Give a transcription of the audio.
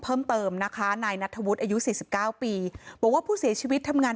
เพิ่มเติมนะคะนายนัทธวุฒิอายุ๔๙ปีบอกว่าผู้เสียชีวิตทำงาน